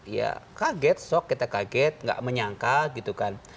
ya kaget shock kita kaget tidak menyangka gitu kan